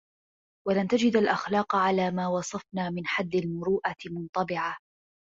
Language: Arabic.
وَلَنْ تَجِدَ الْأَخْلَاقَ عَلَى مَا وَصَفْنَا مِنْ حَدِّ الْمُرُوءَةِ مُنْطَبِعَةً